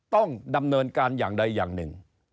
ต้องดำเนินการอย่างใดอย่างหนึ่ง